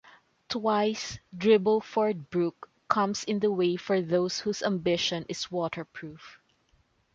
Twice Dribbleford Brook comes in the way for those whose ambition is waterproof.